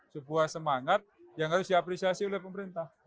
sebuah semangat yang harus diapresiasi oleh pemerintah